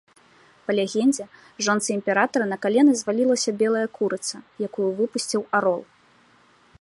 Па легендзе, жонцы імператара на калены звалілася белая курыца, якую выпусціў арол.